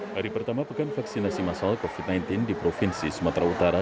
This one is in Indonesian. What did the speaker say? hari pertama pekan vaksinasi masal covid sembilan belas di provinsi sumatera utara